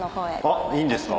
あっいいんですか？